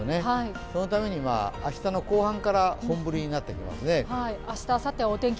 そのために明日の後半から本降りになってきます。